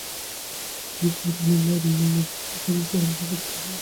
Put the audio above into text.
দুই বৌ-রানী ও বাড়ির মেয়েরা অভ্যর্থনা করিয়া সকলকে উপরে পাঠাইয়া দিতেছিলেন।